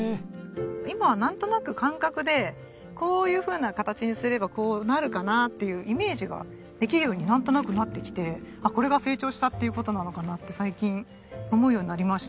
今はなんとなく感覚でこういうふうな形にすればこうなるかなっていうイメージができるようになんとなくなってきてあっこれが成長したっていう事なのかなって最近思うようになりました。